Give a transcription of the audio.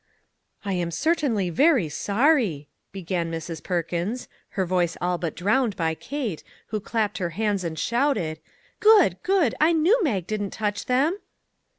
" I am certainly very sorry !" began Mrs. Perkins, her voice all but drowned by Kate, who clapped her hands and shouted :" Good ! good ! I knew Mag didn't touch them."